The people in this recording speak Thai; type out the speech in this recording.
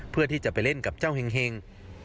เพื่อที่จะไปเล่นกับเจ้าเห็ง